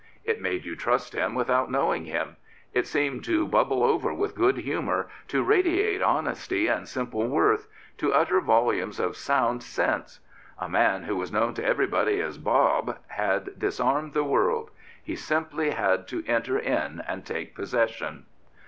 It made you trust him without knowing him. It seemed to bubble over with good humour, to radiate honesty and simple worth, to utter volumes of sound sense. A man who was known to everybody as " Bob '' had disarmed the world. He simply had to enter in and take possession.